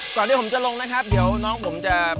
ก่อนที่ผมจะลงนะครับเดี๋ยวน้องผมจะ